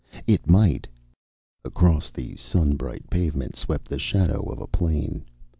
It might Across the sun bright pavement swept the shadow of a plane.